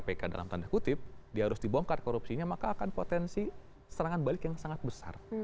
kpk dalam tanda kutip dia harus dibongkar korupsinya maka akan potensi serangan balik yang sangat besar